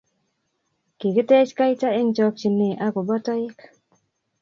Kikitech kaita eng chokchinee ak kobo toik.